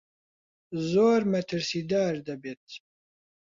زۆر مەترسیدار دەبێت.